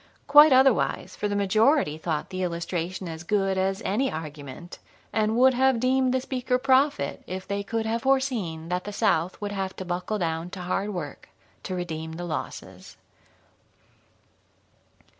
Quite otherwise, for the majority thought the illustration as good as any argument, and would have deemed the speaker prophet if they could have foreseen that the South would have to buckle down to hard work to redeem the losses.